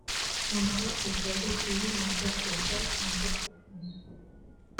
Indra et sa voix toujours un poil trop forte, un poil trop fausse.